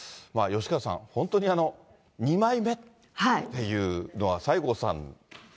吉川さん、本当に二枚目っていうのは、西郷さん。